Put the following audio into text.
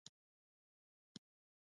احمد د شولو پټیو تپیاري جوړې کړې.